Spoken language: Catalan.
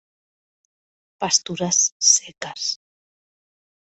Pastures seques.